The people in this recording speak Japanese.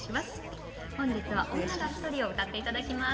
本日は「女がひとり」を歌って頂きます。